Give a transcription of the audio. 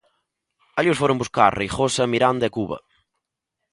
Alí os foron buscar Reigosa, Miranda e Cuba.